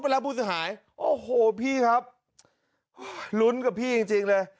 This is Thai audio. ไปแล้วปู๊ดซึ่งหายโอ้โหพี่ครับหลุ้นกับพี่จริงจริงเลย